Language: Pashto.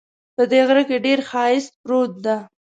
په دې غره کې ډېر ښایست پروت ده